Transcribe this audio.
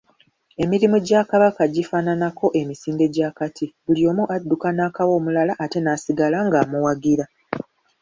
Emirimu gya Kabaka gifaananako emisinde gy'akati, buli omu adduka n'akawa omulala ate n'asigala ng'amuwagira.